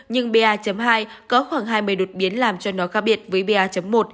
nhưng ba hai có khoảng hai mươi đột biến làm cho nó khác biệt với ba một